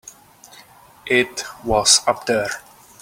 It was up there.